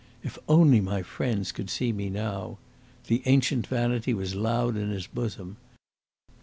"If only my friends could see me now!" The ancient vanity was loud in his bosom.